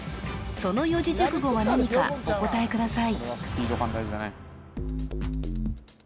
その四字熟語は何かお答えください